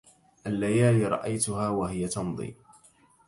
الليالي رأيتها وهي تمضى